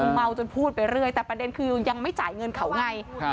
เมาจนพูดไปเรื่อยแต่ประเด็นคือยังไม่จ่ายเงินเขาไง